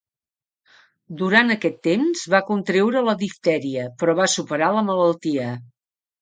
Durant aquest temps va contreure la diftèria, però va superar la malaltia.